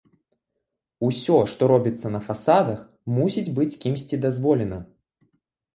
Усё, што робіцца на фасадах, мусіць быць кімсьці дазволена.